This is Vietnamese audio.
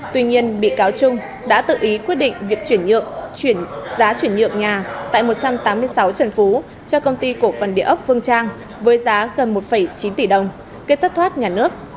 tuy nhiên bị cáo trung đã tự ý quyết định việc chuyển nhượng giá chuyển nhượng nhà tại một trăm tám mươi sáu trần phú cho công ty cổ phần địa ốc phương trang với giá gần một chín tỷ đồng kết thất thoát nhà nước